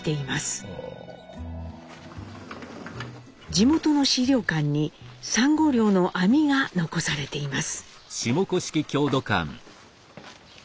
地元の資料館にサンゴ漁の網が残されています。